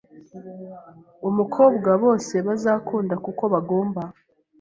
Umukobwa bose bazakunda kuko bagomba;